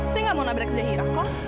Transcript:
saya gak mau nabrak zahira kok